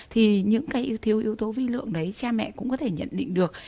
thì những cái yếu thiếu yếu tố vi lượng đấy cha mẹ cũng có thể nhận định được